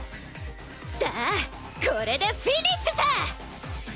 さあこれでフィニッシュさ！